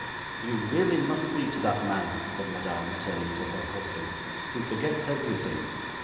'You really must see to that man,' said Madame, turning to her husband. 'He forgets everything.